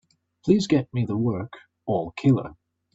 Please get me the work, All Killer.